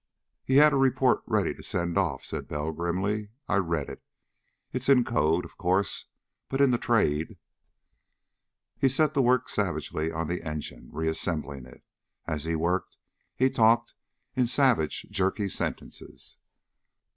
"He had a report ready to send off," said Bell grimly. "I read it. It's in code, of course, but in the Trade...." He set to work savagely on the engine, reassembling it. As he worked, he talked in savage, jerky sentences.